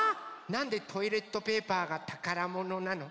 なんでトイレットペーパーがたからものなの？